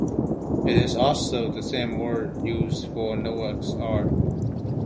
It is also the same word used for Noah's Ark.